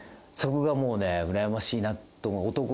そこがもうねうらやましいなと思う。